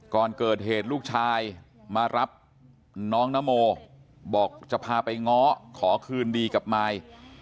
ก่อนเกิดเหตุลูกชายมารับน้องนโมบอกจะพาไปง้อขอคืนดีกับมาย